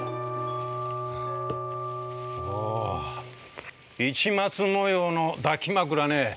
あ市松模様の抱き枕ね。